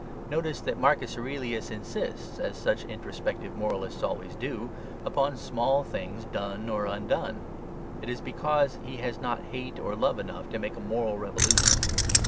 Notice that Marcus Aurelius insists, as such introspective moralists always do, upon small things done or undone; it is because he has not hate or love enough to make a moral revolution.